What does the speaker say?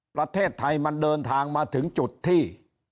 ประเทศไทยมันเดินทางมาถึงจุดที่